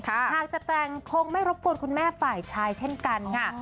หากจะแต่งคงไม่รบกวนคุณแม่ฝ่ายชายเช่นกันค่ะ